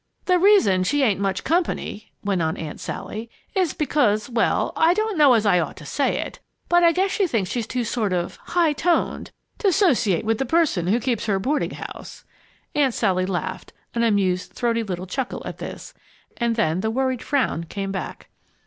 "The reason she ain't much company," went on Aunt Sally, "is because well, I don't know as I ought to say it, but I guess she thinks she's too sort of high toned to 'sociate with the person who keeps her boarding house!" Aunt Sally laughed, an amused, throaty little chuckle at this, and then the worried frown came back.